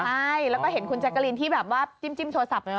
ใช่แล้วก็เห็นคุณแจ๊กกะลินที่แบบว่าจิ้มโทรศัพท์ไหม